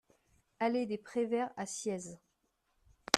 Allée des Pres Verts à Sciez